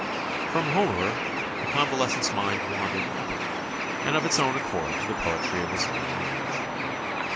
From Homer the convalescent's mind wandered happily and of its own accord to the poetry of his own language.